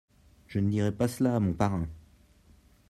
je ne dirai pas cela à mon parrain.